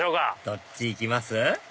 どっち行きます？